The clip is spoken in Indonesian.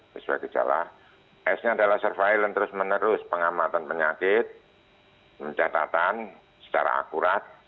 sesuai gejala s nya adalah surveillance terus menerus pengamatan penyakit mencatatan secara akurat